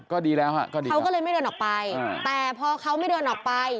เขาก็เลยไม่เดินออกไปแต่พอเขาไม่เดินออกไป